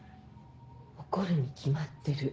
怒るに決まってる。